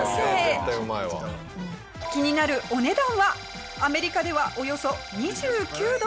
気になるお値段はアメリカではおよそ２９ドル。